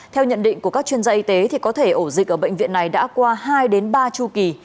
theo nhận định của các chuyên gia y tế có thể ổ dịch ở bệnh viện này đã qua hai ba chu kỳ